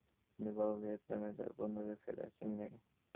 আমার বাবা ভিয়েতনামে তার বন্ধুদের ফেলে আসেননি।